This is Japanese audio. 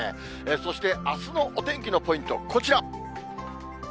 そして、あすのお天気のポイント、こちら。